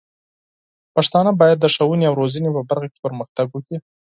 پښتانه بايد د ښوونې او روزنې په برخه کې پرمختګ وکړي.